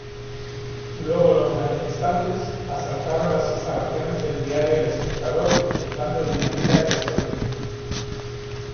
Luego los manifestantes asaltaron las instalaciones del diario El Espectador utilizando dinamita y gasolina.